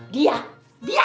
dia dia siapa